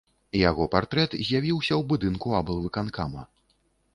Яго партрэт з'явіўся ў будынку аблвыканкама.